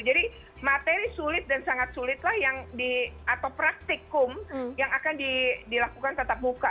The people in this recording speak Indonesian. jadi materi sulit dan sangat sulit lah yang di atau praktikum yang akan dilakukan tatap muka